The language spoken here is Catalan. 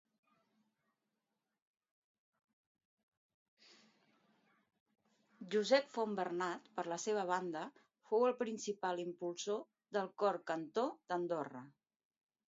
Josep Fontbernat, per la seva banda, fou el principal impulsor del cor cantó d'Andorra.